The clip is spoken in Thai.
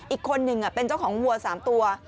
อีกคนหนึ่งเป็นเจ้าของวัว๓ตัว